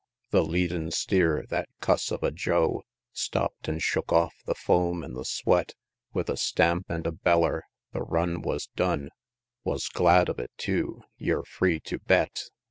The leadin' steer, that cuss of a Joe Stopp'd an' shook off the foam an' the sweat, With a stamp and a beller the run was done, Wus glad of it, tew, yer free tew bet!